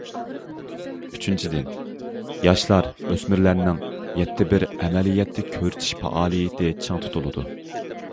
ئۈچىنچىدىن، ياشلار، ئۆسمۈرلەرنىڭ‹‹ يەتتە بىر›› ئەمەلىيەتتە كۆرسىتىش پائالىيىتى چىڭ تۇتۇلىدۇ.